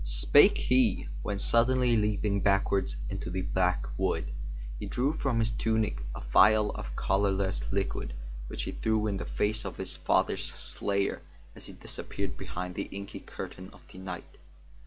spake he, when, suddenly leaping backwards into the black wood, he drew from his tunic a phial of colourless liquid which he threw in the face of his father's slayer as he disappeared behind the inky curtain of the night.